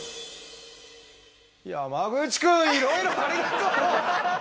山口くんいろいろありがとう！